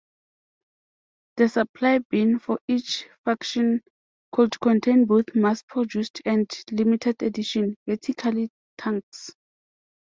The Supply Bin for each faction could contain both "mass-produced" and "limited-edition" Vertical Tanks.